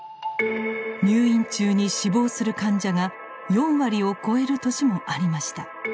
入院中に死亡する患者が４割を超える年もありました。